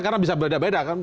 karena bisa beda beda kan